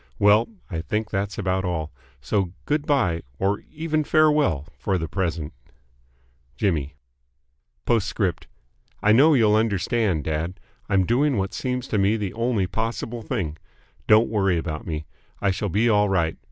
Well. I think that's about all. So good bye or even farewell for the present. J. P.S. I know you'll understand, dad. I'm doing what seems to me the only possible thing. Don't worry about me. I shall be all right.